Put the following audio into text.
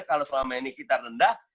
kalau selama ini kita rendah